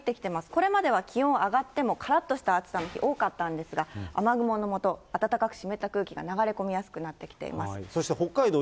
これまでは気温上がってもからっとした暑さの日、多かったんですが、雨雲のもと、暖かく湿った空気が流れ込みやすくなってきていそして北海道